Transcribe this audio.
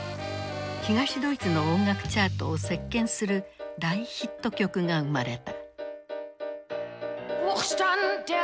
東ドイツの音楽チャートを席巻する大ヒット曲が生まれた。